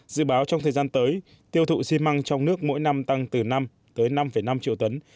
dự báo trong thời gian tới tiêu thụ xi măng trong nước mỗi năm tăng từ năm tới năm năm triệu tấn